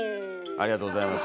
ありがとうございます。